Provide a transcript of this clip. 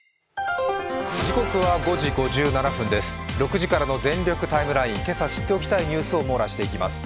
６時からの「全力ＴＩＭＥライン」けさ知っておきたいニュースを網羅していきます。